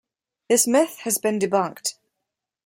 This myth has been debunked.